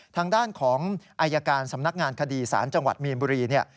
ทางด้านของอายการสำนักงานคดีศาลจังหวัดมีนบุรีเนี่ย